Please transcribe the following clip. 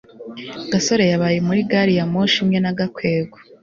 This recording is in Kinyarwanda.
gasore yabaye muri gari ya moshi imwe na gakwego